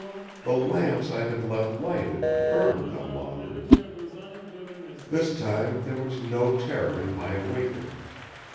The lamps I had left lighted burned no longer. This time there was no terror in my awakening.